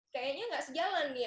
kayaknya gak sejalan nih